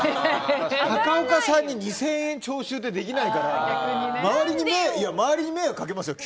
高岡さんに２０００円徴収ってできないから周りに迷惑かけますよ。